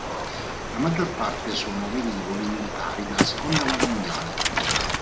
La maggior parte sono velivoli militari della seconda guerra mondiale.